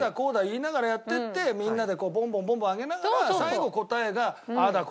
言いながらやっていってみんなでボンボンボンボン上げながら最後答えがああだ